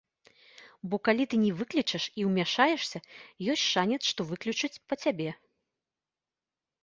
Бо калі ты не выклічаш і ўмяшаешся, ёсць шанец, што выклічуць па цябе.